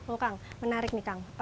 oh kang menarik nih kang